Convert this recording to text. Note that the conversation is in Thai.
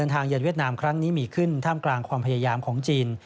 เยือนเวียดนามครั้งนี้มีขึ้นท่ามกลางความพยายามของจีน